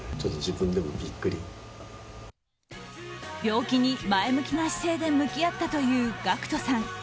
病気に、前向きな姿勢で向き合ったというＧＡＣＫＴさん。